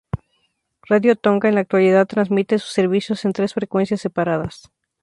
Radio Tonga en la actualidad transmite sus servicios en tres frecuencias separadas.